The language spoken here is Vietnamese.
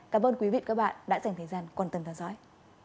cảm ơn quý vị và các bạn đã dành thời gian quan tâm theo dõi